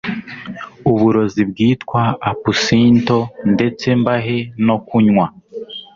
uburozi bwitwa apusinto ndetse mbahe no kunywa